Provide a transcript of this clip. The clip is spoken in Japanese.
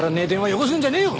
よこすんじゃねえよ